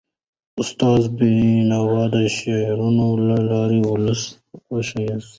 استاد بینوا د شعرونو له لارې ولس ویښاوه.